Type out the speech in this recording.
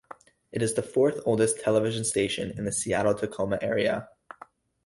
It is the fourth-oldest television station in the Seattle-Tacoma area.